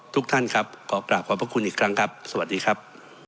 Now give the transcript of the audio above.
ทุกท่านครับขอกราบขอบพระคุณอีกครั้งครับสวัสดีครับ